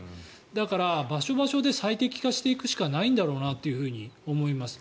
だから、場所場所で最適化していくしかないんだろうなと思います。